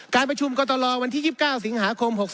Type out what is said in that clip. การประชุมกรตลวันที่๒๙สิงหาคม๖๒